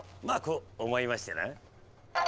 まあこう思いましてな。